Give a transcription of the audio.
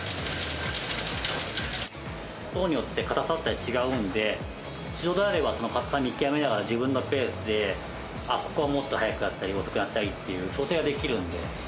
層によって硬さって違うんで、手動であれば、その硬さを見極めながら自分のペースで、あっ、ここはもっと速くやったり、遅くやったりっていう調整ができるんで。